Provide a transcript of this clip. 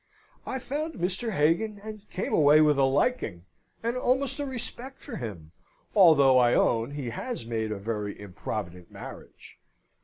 I found Mr. Hagan, and came away with a liking, and almost a respect for him, although I own he has made a very improvident marriage.